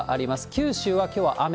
九州はきょうは雨。